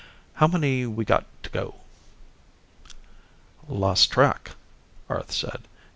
How many we got to go?" "Lost track," Arth said.